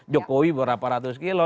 jokowi berapa ratus kilo